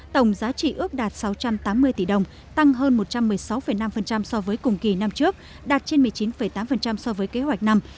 tổng giá trị ước đạt sáu trăm tám mươi tỷ đồng tăng hơn một trăm một mươi sáu năm so với cùng kỳ năm trước đạt trên một mươi chín tám so với kế hoạch năm